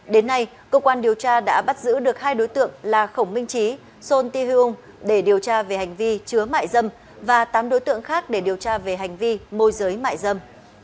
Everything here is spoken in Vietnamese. đến nay cơ quan điều tra đã bắt giữ được hai đối tượng là khổng minh trí son tae hyung để điều tra về hành vi chứa mại dâm và tám đối tượng khác để điều tra về hành vi môi giới mại dâm